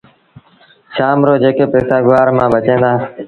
شآم رو جيڪي پئيٚسآ گُوآر مآݩ بچيٚن دآ